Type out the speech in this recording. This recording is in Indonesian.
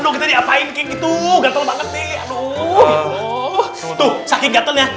astagfirullahaladzim kok begitu garukin